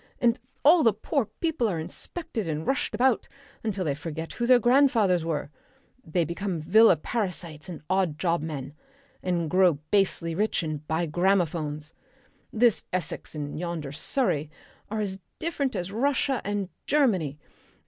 And all the poor people are inspected and rushed about until they forget who their grandfathers were. They become villa parasites and odd job men, and grow basely rich and buy gramophones. This Essex and yonder Surrey are as different as Russia and Germany.